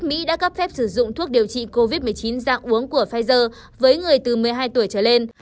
mỹ đã cấp phép sử dụng thuốc điều trị covid một mươi chín dạng uống của pfizer với người từ một mươi hai tuổi trở lên